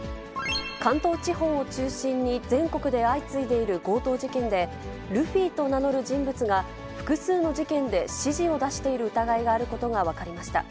関東地方を中心に、全国で相次いでいる強盗事件で、ルフィと名乗る人物が、複数の事件で指示を出している疑いがあることが分かりました。